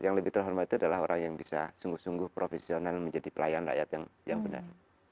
yang lebih terhormat itu adalah orang yang bisa sungguh sungguh profesional menjadi pelayan rakyat yang benar